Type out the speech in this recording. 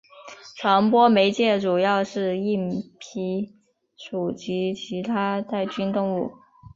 传播媒介主要是硬蜱属及其它带菌动物。